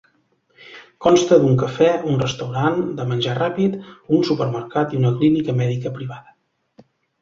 Consta d'un cafè, un restaurant de menjar ràpid, un supermercat i una clínica mèdica privada.